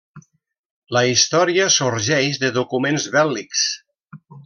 La història sorgeix de documents bèl·lics.